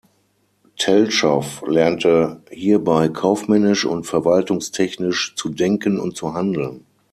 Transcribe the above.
Telschow lernte hierbei kaufmännisch und verwaltungstechnisch zu denken und zu handeln.